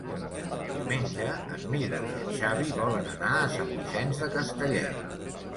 Diumenge en Milos i en Xavi volen anar a Sant Vicenç de Castellet.